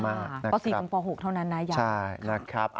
ประสิทธิ์ของป๖เท่านั้นนะยังนะครับ